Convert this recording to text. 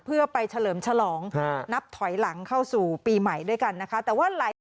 เพื่อไปเฉลิมฉลองนับถอยหลังเข้าสู่ปีใหม่ด้วยกันนะคะ